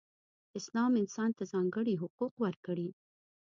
اسلام انسان ته ځانګړې حقوق ورکړئ.